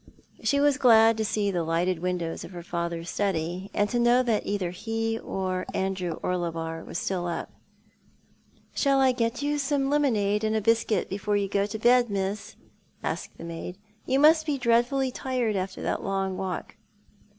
She was glad to see the lighted w'indows of her father's study, and to know that cither ho or Andrew Orlebar was still up. *' Shall I get you some lemonade and a biscuit before you go to bed, miss?" asked the maid. "You must be dreadfully tired after that long walk."